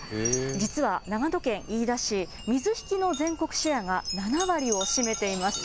実は長野県飯田市、水引の全国シェアが７割を占めています。